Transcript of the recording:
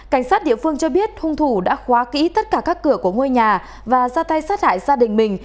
cảnh sát địa phương cho biết hung thủ đã khóa kỹ tất cả các cửa của ngôi nhà và ra tay sát hại gia đình mình